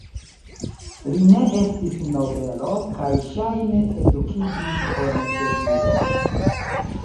Li ne estis nobelo kaj ŝajne edukiĝis en Sevilo.